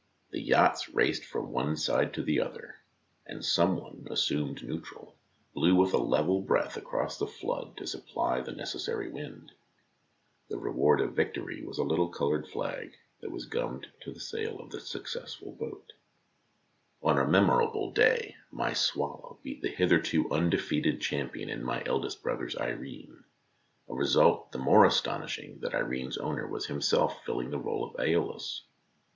The yachts raced from one side to the other, and some one, assumed neutral, blew with a level breath across the flood to supply the necessary wind. The reward of victory was a little coloured flag that was gummed to the sail of the ADMIRALS ALL 35 successful boat. On a memorable day my Swallow beat a hitherto undefeated cham pion in my eldest brother's Irene, a result the more astonishing that Irene's owner was himself filling the role of ^Eolus.